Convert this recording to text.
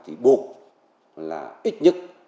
thì buộc là ít nhất